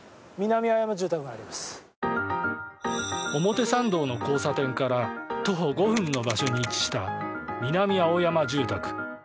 表参道の交差点から徒歩５分の場所に位置した南青山住宅。